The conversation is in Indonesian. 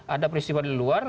ada peristiwa di luar